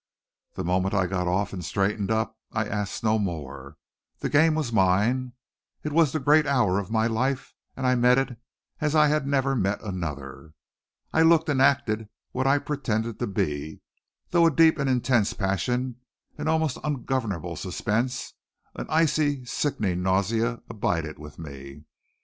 The moment I got off and straightened up, I asked no more. The game was mine. It was the great hour of my life and I met it as I had never met another. I looked and acted what I pretended to be, though a deep and intense passion, an almost ungovernable suspense, an icy sickening nausea abided with me.